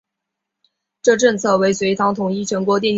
这政策为隋唐一统全国创造了基础。